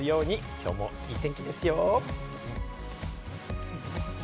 きょうもいい天気ですよ。